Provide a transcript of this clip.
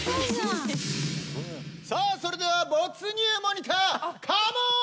さあそれでは没入モニターカモン！